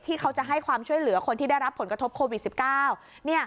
เขาจะให้ความช่วยเหลือคนที่ได้รับผลกระทบโควิด๑๙